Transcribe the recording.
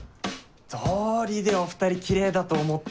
どうりでお２人キレイだと思った。